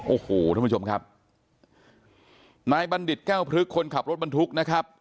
โอ้โหท่านผู้ชมครับนายบัณฑิตแก้วพลึกคนขับรถบรรทุกนะครับ